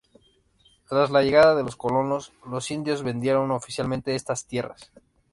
Tras la llegada de los colonos, los indios vendieron oficialmente estas tierras.